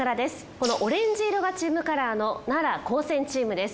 このオレンジ色がチームカラーの奈良高専チームです。